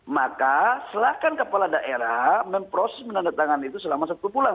maka silahkan kepala daerah memproses menandatangan itu selama satu bulan